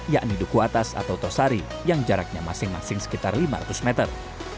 yakni duku atas atau tosari yang jaraknya masing masing sekitar lima ratus meter